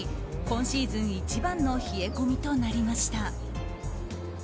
今シーズン一番の冷え込みとなりました。